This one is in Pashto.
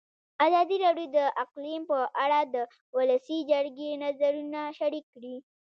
ازادي راډیو د اقلیم په اړه د ولسي جرګې نظرونه شریک کړي.